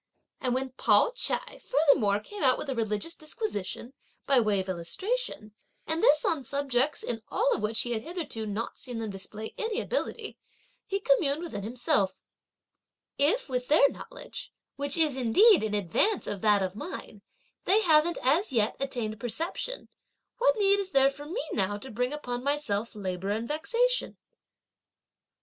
And when Pao ch'ai furthermore came out with a religious disquisition, by way of illustration, and this on subjects, in all of which he had hitherto not seen them display any ability, he communed within himself: "If with their knowledge, which is indeed in advance of that of mine, they haven't, as yet, attained perception, what need is there for me now to bring upon myself labour and vexation?"